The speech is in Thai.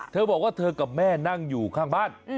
เธอบอกว่าเธอกับแม่นั่งอยู่ข้างบ้าน